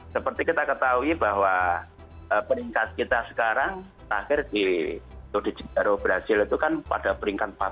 seperti kita ketahui bahwa peringkat kita sekarang terakhir di saudi brazil itu kan pada peringkat empat puluh